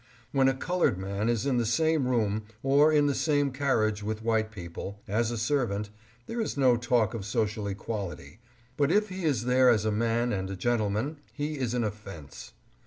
When a colored man is in the same room or in the same carriage with white people, as a servant, there is no talk of social equality, but if he is there as a man and a gentleman, he is an offense.